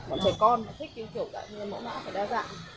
bọn trẻ con thích kiểu mô má phải đa dạng